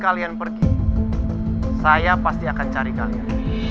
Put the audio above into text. kapan kalian sembunyi kemanapun kalian pergi saya pasti akan cari kalian